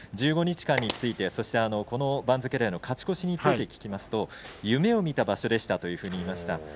１５日間について、そしてこの番付でも勝ち越しについて聞きますと夢をみた場所でしたという話でした。